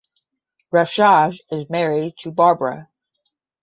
Refshauge is married to Barbara.